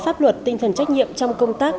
pháp luật tinh thần trách nhiệm trong công tác